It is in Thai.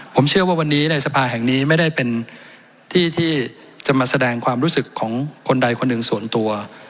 ผมเชื่อว่าวันนี้ในสภาแห่งนี้ไม่ได้เป็นที่ที่จะมาแสดงความรู้สึกของคนใดคนหนึ่งส่วนตัว